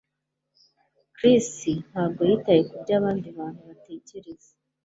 Chris ntabwo yitaye kubyo abandi bantu batekereza